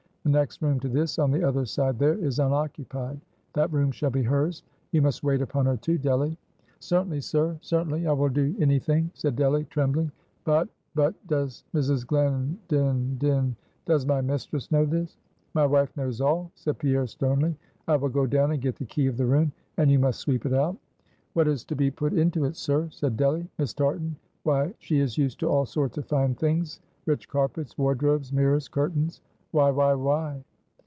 The next room to this, on the other side there, is unoccupied. That room shall be hers. You must wait upon her, too, Delly." "Certainly sir, certainly; I will do any thing;" said Delly trembling; "but, but does Mrs. Glendin din does my mistress know this?" "My wife knows all" said Pierre sternly. "I will go down and get the key of the room; and you must sweep it out." "What is to be put into it, sir?" said Delly. "Miss Tartan why, she is used to all sorts of fine things, rich carpets wardrobes mirrors curtains; why, why, why!"